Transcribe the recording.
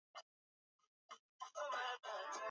Hawajajua amepanga mazuri Mungu